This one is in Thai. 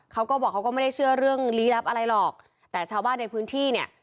เขาก็บอกเขาก็ไม่ได้เชื่อเรื่องลี้ลับอะไรหรอกแต่ชาวบ้านในพื้นที่เนี่ย